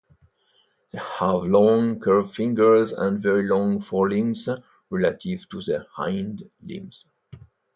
They have long, curved fingers and very long forelimbs relative to their hind limbs.